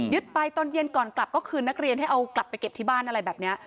ไปตอนเย็นก่อนกลับก็คืนนักเรียนให้เอากลับไปเก็บที่บ้านอะไรแบบนี้